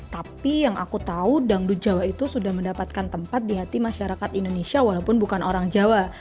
tapi yang aku tahu dangdut jawa itu sudah mendapatkan tempat di hati masyarakat indonesia walaupun bukan orang jawa